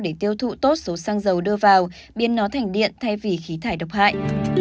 để tiêu thụ tốt số xăng dầu đưa vào biến nó thành điện thay vì khí thải độc hại